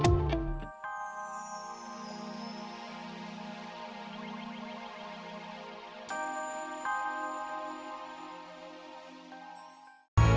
jangan lupa subscribe instagramolu